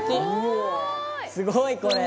大西：すごい、これ。